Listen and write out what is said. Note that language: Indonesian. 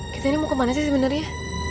kita ini mau kemana sih sebenarnya